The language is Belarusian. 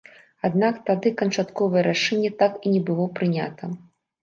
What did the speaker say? Аднак тады канчатковае рашэнне так і не было прынята.